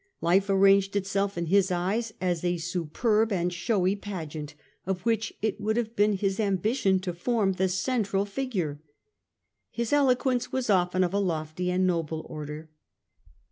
Life ar ranged itself in his eyes as a superb and showy pageant of which it would have been his ambition to form the central figure. His eloquence was often of a lofty and noble order.